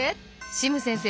シム先生